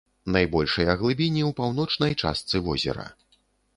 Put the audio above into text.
Найбольшыя глыбіні ў паўночнай частцы возера.